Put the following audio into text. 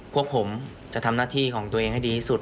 พวกผมจะทำหน้าที่ของตัวเองให้ดีที่สุด